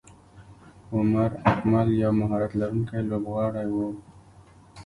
عمر اکمل یو مهارت لرونکی لوبغاړی وو.